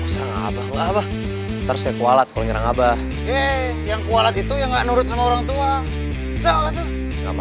serang abah abah tersebut kualat kongkong abah yang kualat itu yang enggak nurut sama orang tua